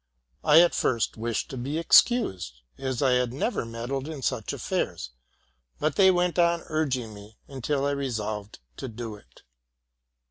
I at first wished to be excused, as I had never meddled in such affairs ; but they went on urging me until I resolved to do it.